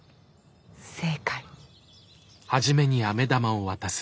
正解。